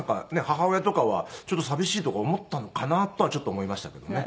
母親とかはちょっと寂しいとか思ったのかなとはちょっと思いましたけどね。